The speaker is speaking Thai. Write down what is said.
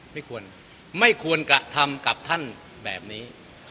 ไม่ควรไม่ควรกระทำกับท่านแบบนี้